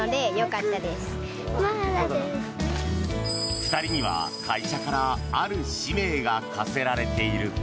２人には会社からある使命が課せられている。